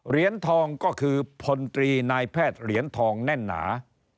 เหรียญทองก็คือพลตรีนายแพทย์เหรียญทองแน่นหนา